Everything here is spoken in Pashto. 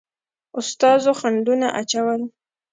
استازو خنډونه اچول.